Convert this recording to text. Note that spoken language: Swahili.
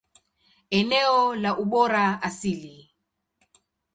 Eneo la ubora asili.